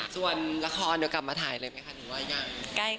ส่วนละครกลับมาถ่ายเลยไหมคะถือว่ายัง